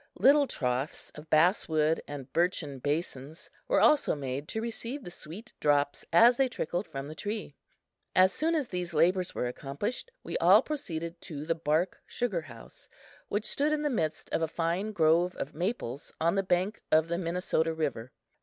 Little troughs of basswood and birchen basins were also made to receive the sweet drops as they trickled from the tree. As soon as these labors were accomplished, we all proceeded to the bark sugar house, which stood in the midst of a fine grove of maples on the bank of the Minnesota river.